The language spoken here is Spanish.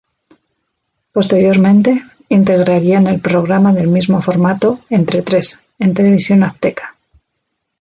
Posteriormente, integrarían el programa del mismo formato "Entre tres" en Televisión Azteca.